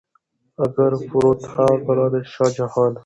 اګره فورت هغه کلا ده چې شاه جهان